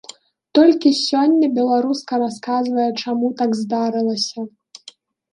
Толькі сёння беларуска расказвае, чаму так здарылася.